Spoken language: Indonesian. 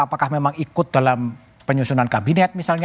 apakah memang ikut dalam penyusunan kabinet misalnya